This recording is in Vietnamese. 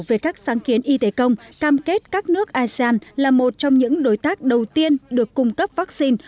về các sáng kiến y tế công cam kết các nước asean là một trong những đối tác đầu tiên được cung cấp vaccine